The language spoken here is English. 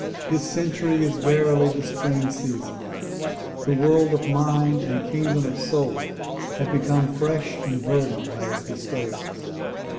This cen tury is verily the spring season. The world of mind and kingdom of soul have become fresh and verdant by its bestowals.